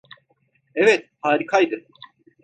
Evet, harikaydı.